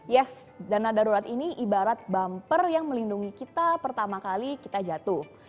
yes dana darurat ini ibarat bumper yang melindungi kita pertama kali kita jatuh